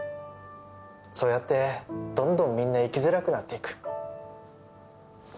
そうやってどんどんみんな生きづらくなっていく